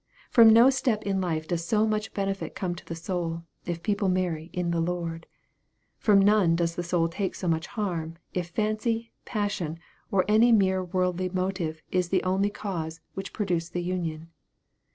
From no step in life does so much benefit come to the soul, if people marry " in the Lord." From none does the soul take so much harm, if fancy, passion, or any mere worldly mo tive is the only cause which produce the union.